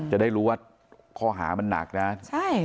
จะได้รู้ว่าข้อหามันหนักนะใช่